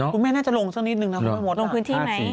คุณแม่น่าจะลงสักนิดนึงนะคุณแม่มดลงพื้นที่ไหม